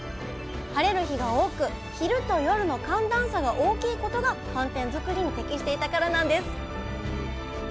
晴れる日が多く昼と夜の寒暖差が大きいことが寒天作りに適していたからなんです